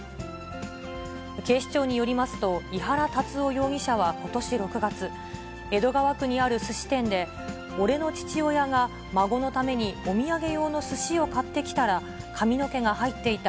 警視庁によりますと、井原龍夫容疑者はことし６月、江戸川区にあるすし店で、俺の父親が孫のためにお土産用のすしを買ってきたら、髪の毛が入っていた。